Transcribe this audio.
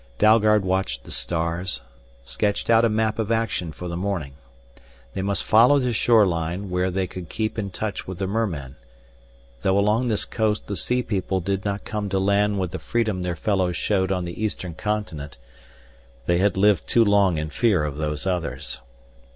Dalgard watched the stars, sketched out a map of action for the morning. They must follow the shore line where they could keep in touch with the mermen, though along this coast the sea people did not come to land with the freedom their fellows showed on the eastern continent they had lived too long in fear of Those Others.